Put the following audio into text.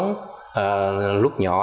trong lúc nhỏ